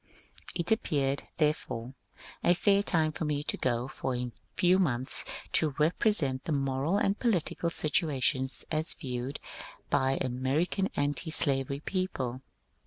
It appeared, therefore, a fair time for me to go for a few months to repre sent the moral and political situation as viewed by American antislavery people.